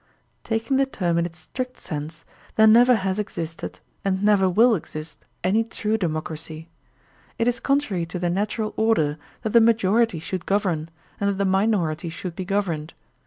Taking the term in its strict sense, there never has existed, and never will exist, any true democracy. It is contrary to the natural order that the majority should govern and that the minority should be governed.